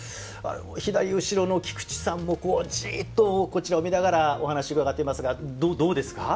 左後ろの菊池さんもこうジッとこちらを見ながらお話伺ってますがどうですか？